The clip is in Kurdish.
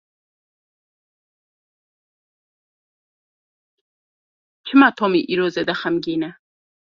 Çima Tomî îro zêde xemgîn e?